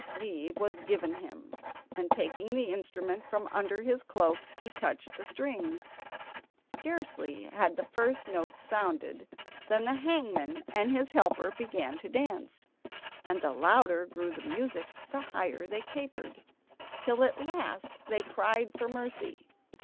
Leave was given him, and taking the instrument from under his cloak he touched the strings. Scarcely had the first notes sounded than the hangman and his helper began to dance, and the louder grew the music the higher they capered, till at last they cried for mercy.